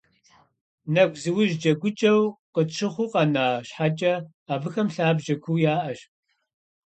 Нэгузыужь джэгукӀэу къытщыхъуу къэна щхьэкӀэ, абыхэм лъабжьэ куу яӀэщ.